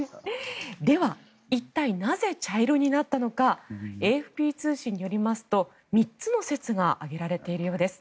では、一体なぜ茶色になったのかＡＦＰ通信によりますと３つの説が挙げられているようです。